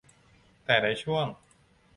แต่ในช่วง